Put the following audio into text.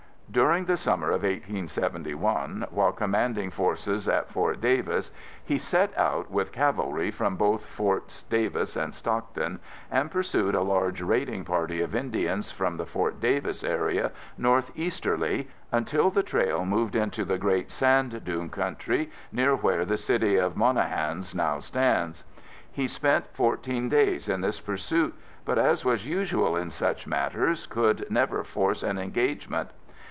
During the summer of 1871, while commanding forces at Fort Davis, he set out with cavalry from both Forts Davis and Stockton and pursued a large raiding party of Indians from the Fort Davis area northeasterly until the trail moved into the great sand dune country near where the city of Monahans now stands. He spent fourteen days in this pursuit but as was usual in such matters, could never force an engagement.